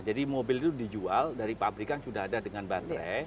jadi mobil itu dijual dari pabrikan sudah ada dengan baterai